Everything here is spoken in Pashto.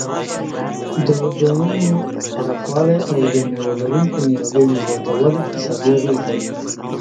د بڼونو پراخوالی او د مېوه لرونکو نیالګیو زیاتول اقتصادي اغیز لري.